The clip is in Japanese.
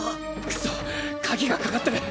クソッ鍵がかかってる！